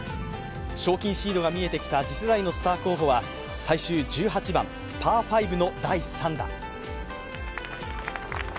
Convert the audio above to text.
賞金シードが見えてきた次世代のスター候補は最終１８番パー５の第３打。